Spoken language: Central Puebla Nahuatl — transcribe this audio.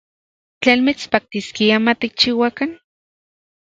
¿Tlen mitspaktiskia matikchiuakan?